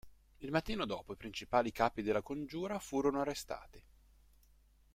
Il mattino dopo i principali capi della congiura furono arrestati.